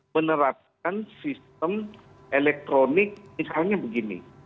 menerapkan sistem elektronik misalnya begini